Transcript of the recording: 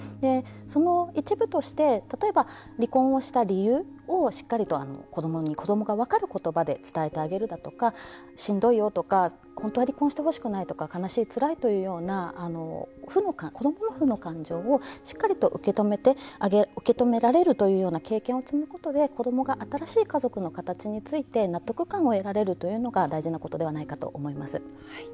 その一部として、例えば離婚をした理由をしっかりと子どもが分かる言葉で伝えてあげるだとかしんどいとか、本当は離婚してほしくないとか悲しい、つらい子どもの不の感情をしっかり受け止められるという経験を積むことで、子どもが新しい家族の形について納得感を得られるのが大事なことではないかと思います。